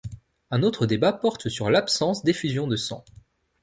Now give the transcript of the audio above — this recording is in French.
Un autre débat porte sur l'absence d'effusion de sang.